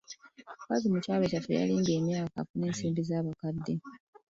Omukazi mu kyalo kyaffe yalimbye emyaka afune ensimbi z'abakadde.